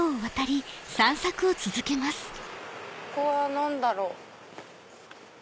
ここは何だろう？